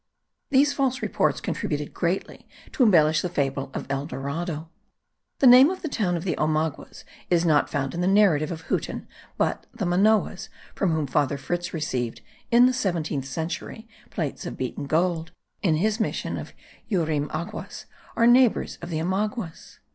These false reports contributed greatly to embellish the fable of El Dorado. The name of the town of the Omaguas is not found in the narrative of Huten; but the Manoas, from whom Father Fritz received, in the seventeenth century, plates of beaten gold, in his mission of Yurim Aguas, are neighbours of the Omaguas.